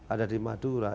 ada di madura